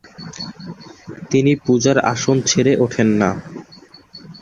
তিনি পূজার আসন ছেড়ে ওঠেন না।